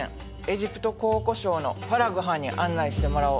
エジプト考古省のファラグはんに案内してもらお。